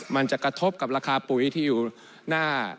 มันจะกระทบกับราคาปุ๋ยที่อยู่หน้า